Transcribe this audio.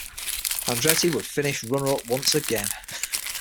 Andretti would finish runner-up once again.